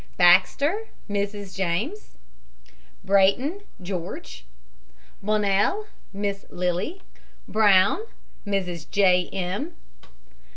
BAXTER, MRS. JAMES. BRAYTON, GEORGE. BONNELL, MISS LILY. BROWN, MRS. J. M.